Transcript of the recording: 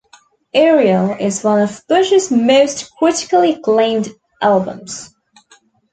"Aerial" is one of Bush's most critically acclaimed albums.